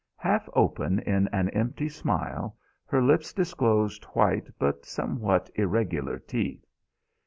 Half open in an empty smile, her lips disclosed white but somewhat irregular teeth.